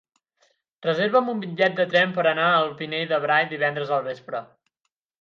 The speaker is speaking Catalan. Reserva'm un bitllet de tren per anar al Pinell de Brai divendres al vespre.